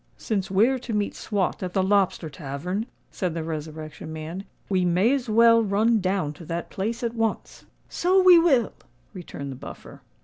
"Since we're to meet Swot at the Lobster Tavern," said the Resurrection Man, "we may as well run down to that place at once." "So we will," returned the Buffer.